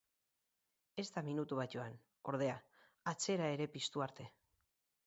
Ez da minutu bat joan, ordea, atzera ere piztu arte.